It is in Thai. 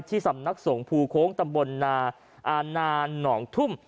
สำนักสงภูโค้งตำบลนาอาณาหนองทุ่ม